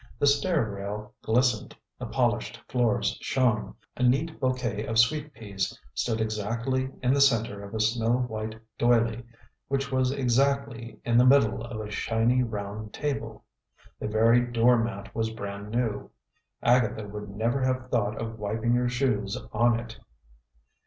The stair rail glistened, the polished floors shone. A neat bouquet of sweet peas stood exactly in the center of a snow white doily, which was exactly in the middle of a shiny, round table. The very door mat was brand new; Agatha would never have thought of wiping her shoes on it.